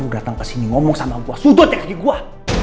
kamu datang kesini ngomong sama gua sudutnya kaki gua